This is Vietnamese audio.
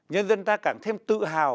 nhân dân ta càng thêm tự hào